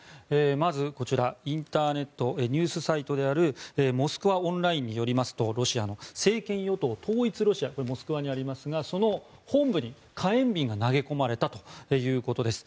まず、こちらインターネットニュースサイトであるモスクワ・オンラインによりますと政権与党・統一ロシアこれ、モスクワにありますがその本部に火炎瓶が投げ込まれたということです。